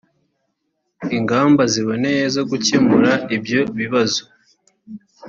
ingamba ziboneye zo gukemura ibyo bibazo